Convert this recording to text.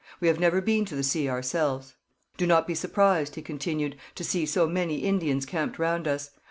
We have never been to the sea ourselves.' 'Do not be surprised,' he continued, 'to see so many Indians camped round us.